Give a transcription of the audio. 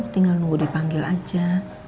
tinggal tunggu dipanggil saja